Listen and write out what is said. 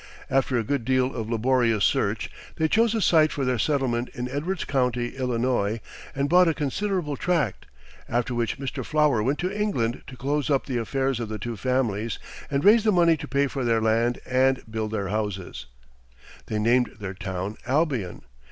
After a good deal of laborious search, they chose a site for their settlement in Edwards County, Illinois, and bought a considerable tract; after which Mr. Flower went to England to close up the affairs of the two families, and raise the money to pay for their land and build their houses. They named their town Albion.